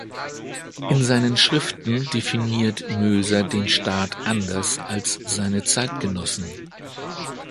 In seinen Schriften definiert Möser den Staat anders als seine Zeitgenossen.